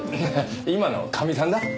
今のかみさんだ。